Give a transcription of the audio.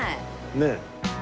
ねえ。